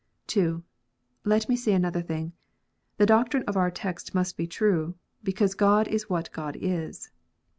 (2) Let me say another thing. The doctrine of our text must be true, because God is u liat God is.